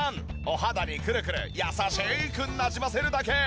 お肌にくるくる優しくなじませるだけ。